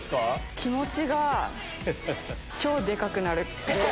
気持ちが超でかくなる。